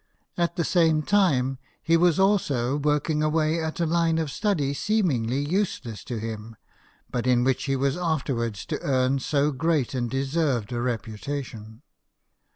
At the same time, he was WILLIAM HERSCHEL, BANDSMAN. 97 also working away at a line of study, seemingly use ess to him, but in which he was afterwards to earn so great and deserved a reputation.